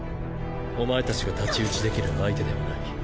お前たちが太刀打ちできる相手ではない。